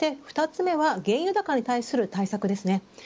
２つ目は原油高に対する対策です。